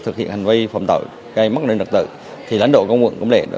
thực hiện hành vi phòng tội gây mất lượng đặc tự thì lãnh đạo công an quận cẩm lệ